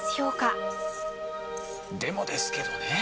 でも、ですけどね。